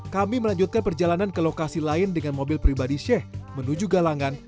kami melanjutkan perjalanan ke lokasi lain dengan mobil pribadi sheikh menuju galangan